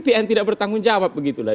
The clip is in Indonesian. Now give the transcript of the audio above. pihak yang tidak bertanggung jawab